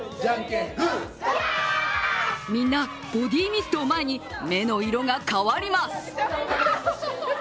みんなボディーミストを前に目の色が変わります。